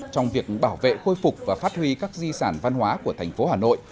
trong việc bảo vệ khôi phục và phát huy các di sản văn hóa của thành phố hà nội